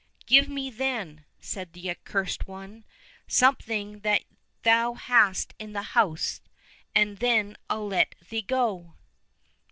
—" Give me, then," said the Accursed One, '* something that thou hast in the house, and then I'll let thee go